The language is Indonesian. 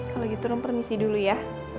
kalau gitu turun permisi dulu ya